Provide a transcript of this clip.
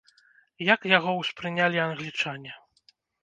Як яго ўспрынялі англічане?